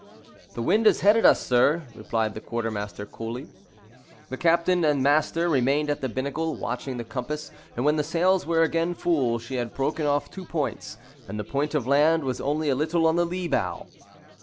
"The wind has headed us, sir," replied the quartermaster, coolly. The captain and master remained at the binnacle watching the compass; and when the sails were again full, she had broken off two points, and the point of land was only a little on the lee bow.